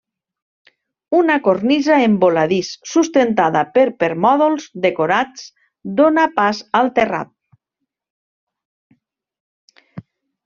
Una cornisa en voladís sustentada per permòdols decorats dóna pas al terrat.